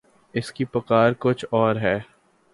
اس کی پکار کچھ اور ہے۔